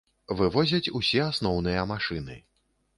Вывозяць усе асноўныя машыны.